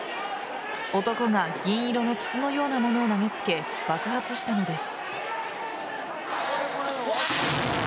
男が銀色の筒のような物を投げつけ爆発したのです。